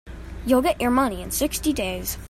You'll get your money in sixty days.